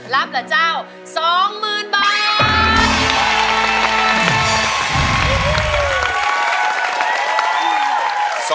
รับเหรอเจ้า๒หมื่นบาท